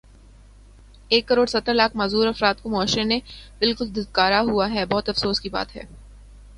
ایک کڑوڑ ستر لاکھ معذور افراد کو معاشرے نے بلکل دھتکارا ہوا ہے بہت افسوس کی بات ہے